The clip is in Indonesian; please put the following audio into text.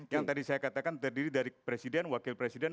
yang tadi saya katakan terdiri dari presiden wakil presiden